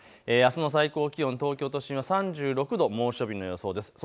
あすの最高気温、東京都心は３６度、猛暑日の予想です。